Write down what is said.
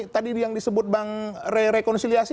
tadi yang disebut bang re rekonsiliasi